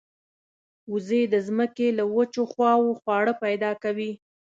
وزې د زمکې له وچو خواوو خواړه پیدا کوي